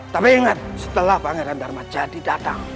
tapi ingat setelah pangeran dharma jadi datang